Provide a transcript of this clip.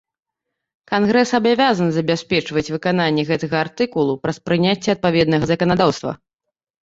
Кангрэс абавязан забяспечваць выкананне гэтага артыкулу праз прыняцце адпаведнага заканадаўства.